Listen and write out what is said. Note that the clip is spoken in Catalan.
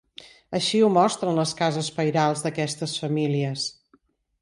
Així ho mostren les cases pairals d'aquestes famílies.